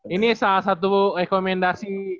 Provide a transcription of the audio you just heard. ini salah satu rekomendasi